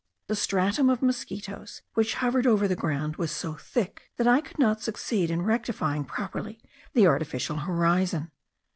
The stratum of mosquitos, which hovered over the ground, was so thick that I could not succeed in rectifying properly the artificial horizon.